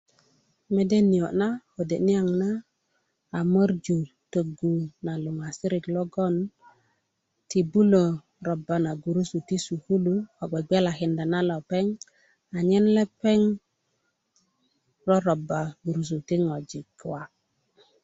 mede niyo na kode niyaŋ na a morju togu na luŋaserik logon ti bulö roba na gurusu ti sukulu ko bgebgelakinda lepeŋ anyen lepeŋ roroba gurusu ti ŋojik wa